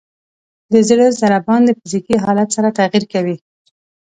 د زړه ضربان د فزیکي حالت سره تغیر کوي.